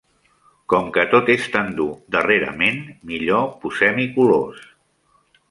Com que tot és tan dur darrerament, millor posem-hi colors.